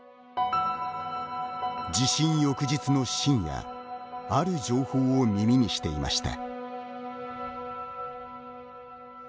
地震翌日の深夜ある情報を耳にしていました。